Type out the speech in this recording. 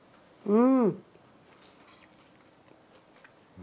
うん！